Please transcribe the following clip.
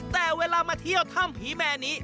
แต่เวลามาเที่ยวถ้ำผีแม่นี้